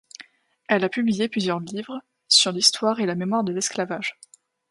Elle a publié plusieurs livres sur l'histoire et la mémoire de l'esclavage.